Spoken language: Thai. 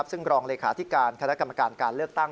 ซึ่งรองเลขาธิการคณะกรรมการการเลือกตั้ง